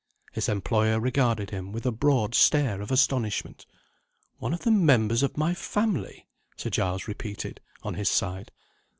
His employer regarded him with a broad stare of astonishment. "One of the members of my family?" Sir Giles repeated, on his side.